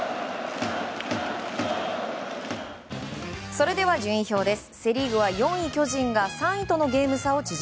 それでは順位表です。